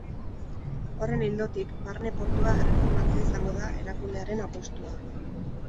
Horren ildotik, barne portua erreformatzea izango da erakundearen apostua.